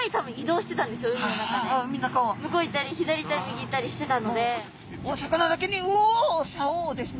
向こう行ったり左行ったり右行ったりしてたので。